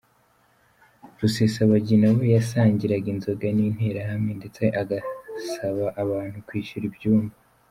Rusesabagina we yasangiraga inzoga n’interahamwe ndetse agasaba abantu kwishyura ibyumba.”